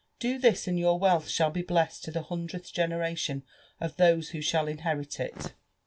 Do this, and your wealth shall be bleSSted to the hundredth generation of those who shall inherit it.'